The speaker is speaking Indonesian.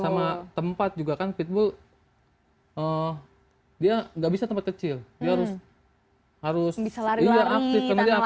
sama tempat juga kan pitbull oh dia nggak bisa tempat kecil harus bisa lari lari tanggal delapan